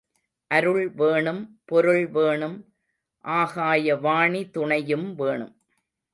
அருள் வேணும் பொருள்வேணும் ஆகாய வாணி துணையும் வேணும்.